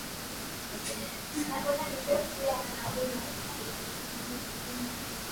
lakini zimenyimbwa zikuwe za kurekodiwa kwa matatizo